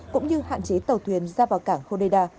cũng như hạn chế tàu thuyền ra vào cảng hodeida